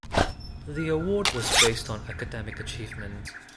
The award was based on academic achievement.